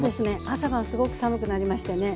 朝晩すごく寒くなりましてね。